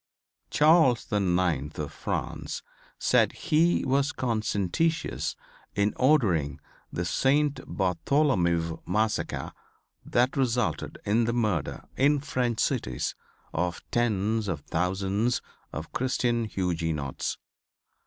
Charles the Ninth of France said he was conscientious in ordering the Saint Bartholomew massacre that resulted in the murder in French cities of tens of thousands of Christian Hugenots.